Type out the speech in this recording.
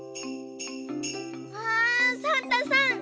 うわサンタさん